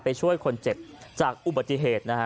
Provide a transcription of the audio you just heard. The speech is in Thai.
ช่วยคนเจ็บจากอุบัติเหตุนะฮะ